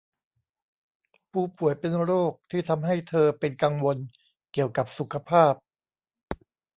ผู้ป่วยเป็นโรคที่ทำให้เธอเป็นกังวลเกี่ยวกับสุขภาพ